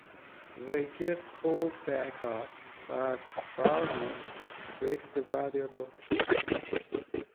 They get pulled back up, but Barnes breaks the valuable tree.